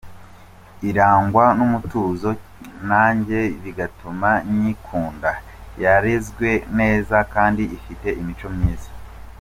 Irangwa n’umutuzo, nanjye bigatuma nyikunda ! Yarezwe neza kandi ifite imico myiza.